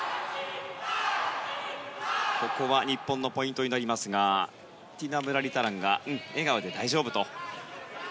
ここは日本のポイントになりますがティナ・ムラリタランが笑顔で大丈夫と。